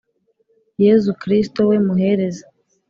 yezu kristu we muhereza